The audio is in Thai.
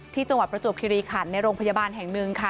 จังหวัดประจวบคิริขันในโรงพยาบาลแห่งหนึ่งค่ะ